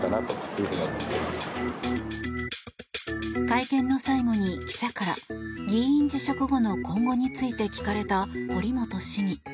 会見の最後に記者から議員辞職後の今後について聞かれた堀本市議。